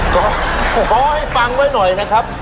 ก็ขอให้ฟังไว้หน่อยนะครับ